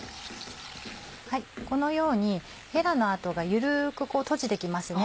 このようにヘラの跡が緩くこう閉じてきますね。